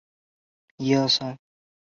玄界滩是九州西北部的海域。